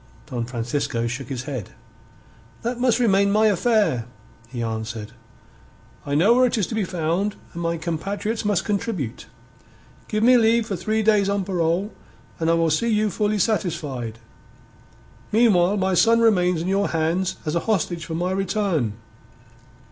Don Francisco shook his head. "That must remain my affair," he answered. "I know where it is to be found, and my compatriots must contribute. Give me leave for three days on parole, and I will see you fully satisfied. Meanwhile my son remains in your hands as a hostage for my return."